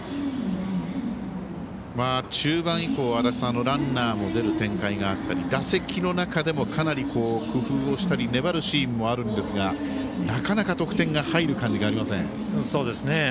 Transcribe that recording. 中盤以降、足達さんランナーも出る展開があったり打席の中でもかなり工夫をしたり粘るシーンもあるんですがなかなか得点が入る感じがありません。